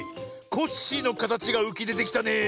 コッシーのかたちがうきでてきたねえ。